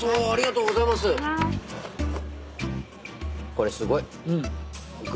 これすごい。